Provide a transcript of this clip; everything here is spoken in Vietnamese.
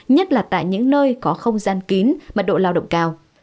nhất là tại những nơi có không gian kín mật độ lao động cao